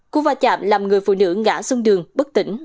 cú va chạm làm người phụ nữ ngã xuống đường bất tỉnh